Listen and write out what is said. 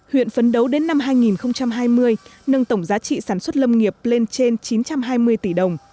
huyện phấn đấu đến năm hai nghìn hai mươi nâng tổng giá trị sản xuất lâm nghiệp lên trên chín trăm hai mươi tỷ đồng